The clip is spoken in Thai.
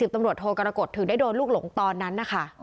ตำรวจโทกรกฎถึงได้โดนลูกหลงตอนนั้นนะคะ